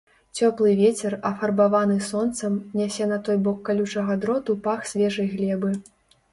Цёплы вецер, афарбаваны сонцам, нясе на той бок калючага дроту пах свежай глебы.